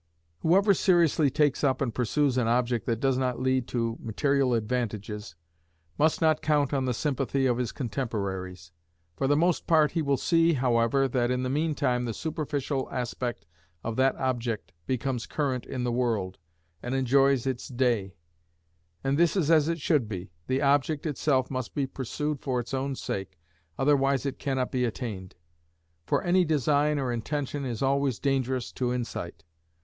Whoever seriously takes up and pursues an object that does not lead to material advantages, must not count on the sympathy of his contemporaries. For the most part he will see, however, that in the meantime the superficial aspect of that object becomes current in the world, and enjoys its day; and this is as it should be. The object itself must be pursued for its own sake, otherwise it cannot be attained; for any design or intention is always dangerous to insight.